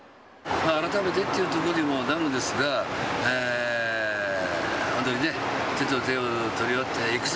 改めてっていうところにもなるんですが、本当にね、手と手を取り合っていくぞ！